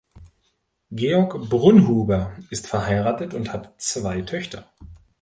Georg Brunnhuber ist verheiratet und hat zwei Töchter.